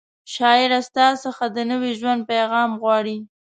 شاعره ستا څخه د نوي ژوند پیغام غواړي